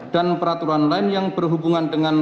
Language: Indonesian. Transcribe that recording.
dan peraturan lain yang berhubungan dengan